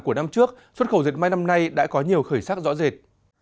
của năm trước xuất khẩu dệt may năm nay đã có nhiều khởi sắc rõ rệt